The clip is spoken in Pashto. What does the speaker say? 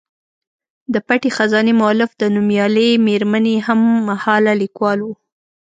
د پټې خزانې مولف د نومیالۍ میرمنې هم مهاله لیکوال و.